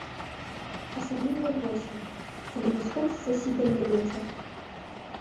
Асабліва ўвосень, калі ўсходзіцца сіберны вецер.